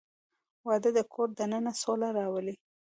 • واده د کور دننه سوله راولي.